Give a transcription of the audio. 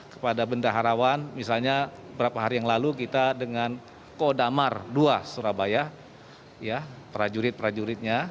kepada bendaharawan misalnya beberapa hari yang lalu kita dengan kodamar ii surabaya prajurit prajuritnya